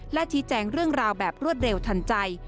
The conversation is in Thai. และชี้แจงเรื่องราวแบบรวดเร็วทันใจ